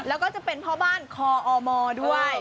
แล้วก็จะเป็นพ่อบ้านคออมด้วย